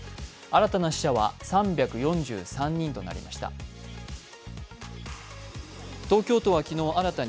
新たな死者は３４３人となりました。